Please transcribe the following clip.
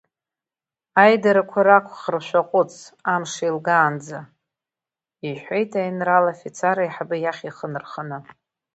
Аидарақәа рақәхра шәаҟәыҵ, амш еилгаанӡа, — иҳәеит аинрал афицар аиҳабы иахь ихы нарханы.